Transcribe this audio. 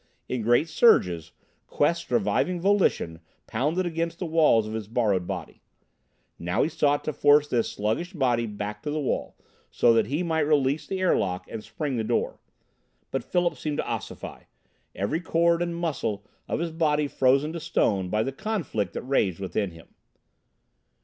In great surges, Quest's reviving volition pounded against the walls of his borrowed body. Now he sought to force this sluggish body back to the wall, so that he might release the airlock and spring the door. But Philip seemed to ossify, every cord and muscle of his body frozen to stone by the conflict that raged within him.